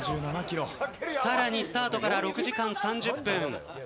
さらにスタートから６時間３０分。